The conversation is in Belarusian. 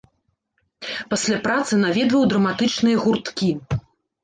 Пасля працы наведваў драматычныя гурткі.